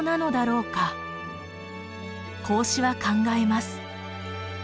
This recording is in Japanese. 孔子は考えます。